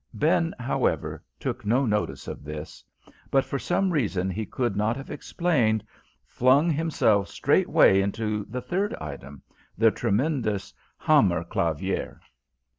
Ben, however, took no notice of this; but, for some reason he could not have explained, flung himself straight way into the third item, the tremendous "Hammerclavier."